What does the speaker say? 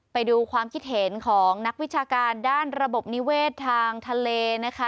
ไปดูความคิดเห็นของนักวิชาการด้านระบบนิเวศทางทะเลนะคะ